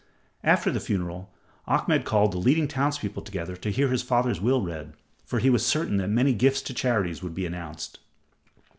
After the funeral, Ahmed called the leading townspeople together to hear his father's will read, for he was certain that many gifts to charities would be announced.